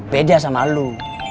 beda sama lu